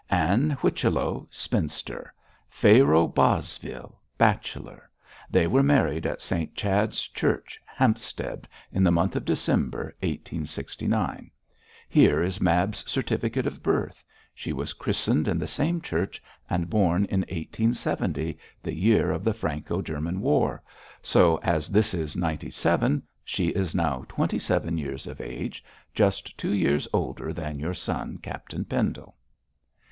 'Ann Whichello, spinster; Pharaoh Bosvile, bachelor. They were married in St Chad's Church, Hampstead, in the month of December 1869. Here is Mab's certificate of birth; she was christened in the same church, and born in 1870, the year of the Franco German war, so as this is ninety seven, she is now twenty seven years of age, just two years older than your son, Captain Pendle.'